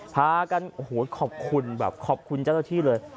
พากันโอ้โหขอบคุณแบบขอบคุณเจ้าหน้าที่เลย